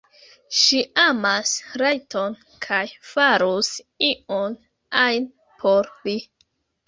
Ŝi amas Rajton kaj farus ion ajn por li.